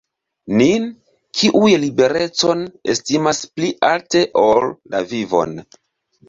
Nin, kiuj liberecon estimas pli alte ol la vivon.